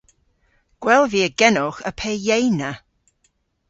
Gwell via genowgh a pe yeynna.